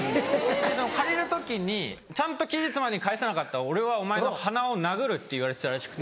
借りる時に「ちゃんと期日までに返さなかったら俺はお前の鼻を殴る」って言われてたらしくて。